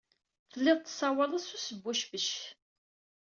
Tellid tessawaled s usbucbec.